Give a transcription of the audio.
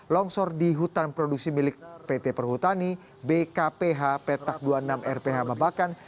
longsor di hutan produksi milik pt perhutani bkph petak dua puluh enam rph babakan